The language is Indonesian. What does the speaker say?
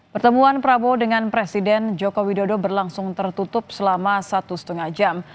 pertemuan prabowo dengan presiden joko widodo berlangsung tertutup selama satu lima jam